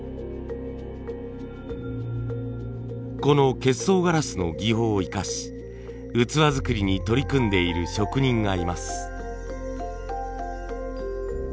この結霜ガラスの技法を生かし器作りに取り組んでいる職人がいます。